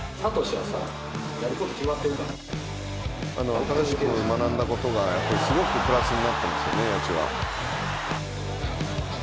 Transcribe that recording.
「新しく学んだことがすごくプラスになってますよね」